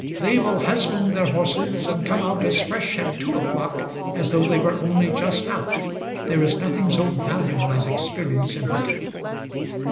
They will husband their horses, and come out as fresh at two o'clock as though they were only just out. There is nothing so valuable as experience in hunting."